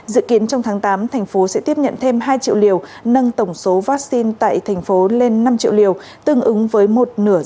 dự kiến trong tháng tám tp hcm sẽ tiếp nhận thêm hai triệu liều nâng tổng số vaccine tại tp hcm lên năm triệu liều tương ứng với một nửa dân số tp hcm